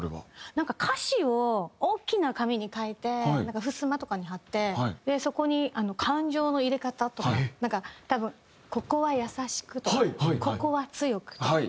なんか歌詞を大きな紙に書いてふすまとかに貼ってそこに「感情の入れ方」とか。多分「ここは優しく」とか「ここは強く」とか。